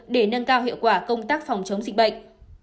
để nâng cao hiệu quả công tác phòng chống dịch bệnh